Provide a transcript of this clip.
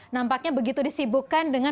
nampaknya begitu disibukkan dengan